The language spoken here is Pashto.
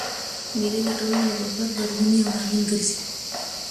مېلې د ټولني د مثبت بدلون یو لامل ګرځي.